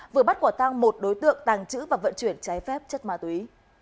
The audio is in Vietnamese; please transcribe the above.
vừa bắt quả tăng một đối tượng tàng trữ và vận chuyển trái phép chất ma túy